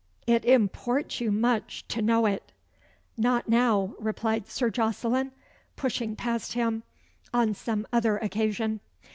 It imports you much to know it." "Not now," replied Sir Jocelyn, pushing past him. "On some other occasion."